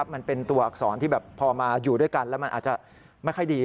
มันเป็นตัวอักษรที่แบบพอมาอยู่ด้วยกันแล้วมันอาจจะไม่ค่อยดี